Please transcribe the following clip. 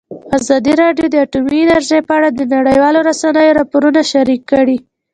ازادي راډیو د اټومي انرژي په اړه د نړیوالو رسنیو راپورونه شریک کړي.